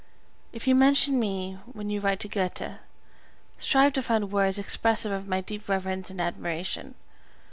If you mention me when you write to Goethe, strive to find words expressive of my deep reverence and admiration.